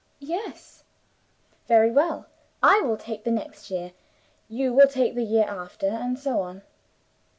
"Yes." "Very well. I will take the next year. You will take the year after. And so on."